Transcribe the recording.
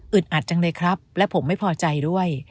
อัดจังเลยครับและผมไม่พอใจด้วย